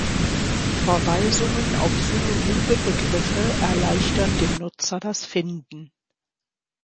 Verweisungen auf synonyme Begriffe erleichtern dem Nutzer das Finden.